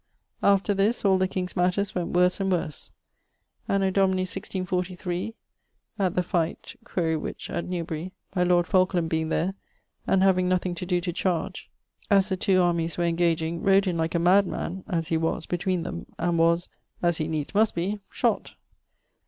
After this, all the King's matters went worse and worse. Anno domini 164<3> at the ... fight (quaere which) at Newbery, my lord Falkland being there, and having nothing to doe to chardge; as the 2 armies were engageing, rode in like a mad man (as he was) between them, and was (as he needs must be) shott.